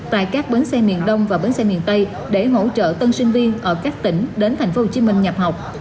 tại các bến xe miền đông và bến xe miền tây để hỗ trợ tân sinh viên ở các tỉnh đến thành phố hồ chí minh nhập học